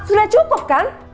sudah cukup kan